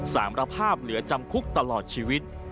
สารภาพเหลือจำคุกตลอดชีวิต